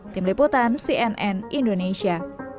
tim liputan cnn indonesia